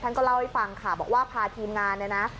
ท่านก็เล่าให้ฟังค่ะบอกว่าพาทีมงานน่ะน่ะ